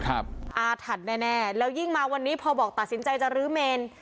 อาถรรพ์แน่แล้วยิ่งมาวันนี้พอบอกตัดสินใจจะรื้อเมน